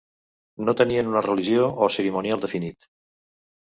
No tenien una religió o cerimonial definit.